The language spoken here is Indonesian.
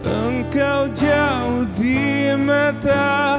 engkau jauh di mata